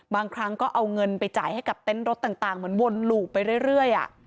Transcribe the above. บางครั้งก็เอาเงินไปจ่ายให้กับเต็นต์รถต่างเหมือนวนหลูบไปเรื่อย